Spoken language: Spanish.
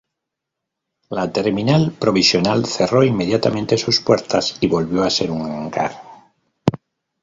La terminal provisional cerró inmediatamente sus puertas y volvió a ser un hangar.